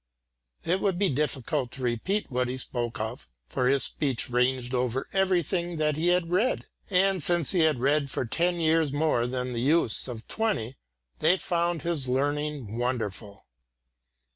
It would be difficult to repeat what he spoke of, for his speech ranged over everything that he had read, and since he had read for ten years more than the youths of twenty, they found his learning wonderful.